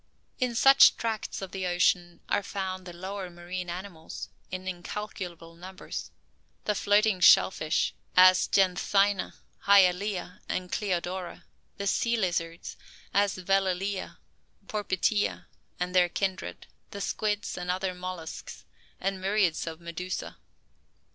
In such tracts of the ocean are found the lower marine animals, in incalculable numbers; the floating shell fish, as Janthina, Hyalaea and Cleodora; the sea lizards, as Velellae, Porpitae, and their kindred; the squids, and other molluscs; with myriads of medusa.